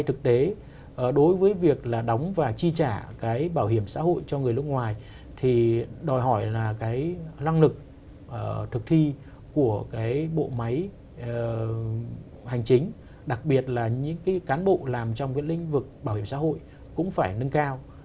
thực tế đối với việc là đóng và chi trả cái bảo hiểm xã hội cho người nước ngoài thì đòi hỏi là cái năng lực thực thi của cái bộ máy hành chính đặc biệt là những cái cán bộ làm trong cái lĩnh vực bảo hiểm xã hội cũng phải nâng cao